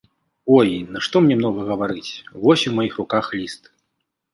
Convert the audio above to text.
Ой, нашто мне многа гаварыць, вось у маіх руках ліст.